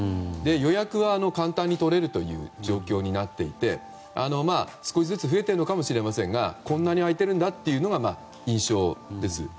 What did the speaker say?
予約は簡単に取れるという状況になっていて少しずつ増えているのかもしれませんがこんなに空いているんだというのが印象です。